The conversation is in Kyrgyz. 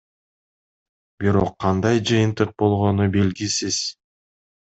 Бирок кандай жыйынтык болгону белгисиз.